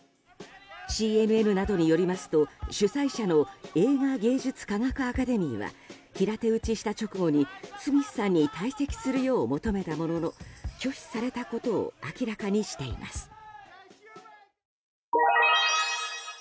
ＣＮＮなどによりますと主催者の映画芸術科学アカデミーは平手打ちした直後にスミスさんに退席するよう求めたものの拒否されたことを明らかにしています。